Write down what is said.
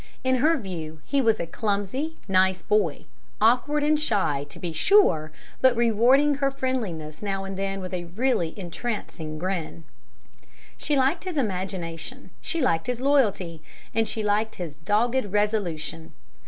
In her view he was a clumsy, nice boy; awkward and shy, to be sure, but rewarding her friendliness now and then with a really entrancing grin. She liked his imagination, she liked his loyalty, and she liked his dogged resolution.